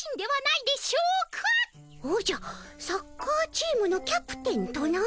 おじゃサッカーチームのキャプテンとな？